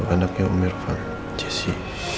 anaknya om irfan jesse